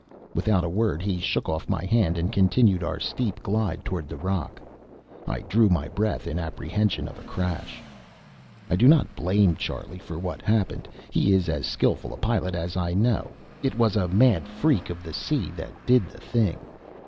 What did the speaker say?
Without a word, he shook off my hand and continued our steep glide toward the rock. I drew my breath in apprehension of a crash. I do not blame Charlie for what happened. He is as skilful a pilot as I know. It was a mad freak of the sea that did the thing.